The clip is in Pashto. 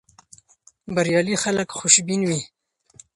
بریالي خلک خوشبین وي.